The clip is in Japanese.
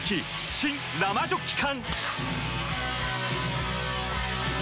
新・生ジョッキ缶！